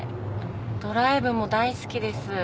ドライブも大好きです。